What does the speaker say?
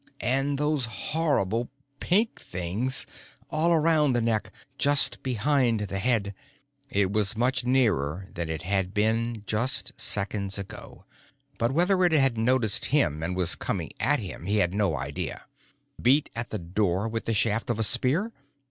And those horrible pink things, all around the neck, just behind the head It was much nearer than it had been just seconds ago, but whether it had noticed him and was coming at him he had no idea. Beat at the door with the shaft of a spear?